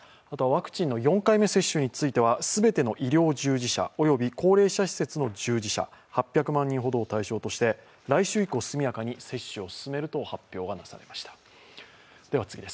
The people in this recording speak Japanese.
ワクチンの４回目接種については、全ての医療従事者、及び高齢者施設の従事者、８００万人ほどを対象として、来週以降、速やかに接種を進めると発表がなされました。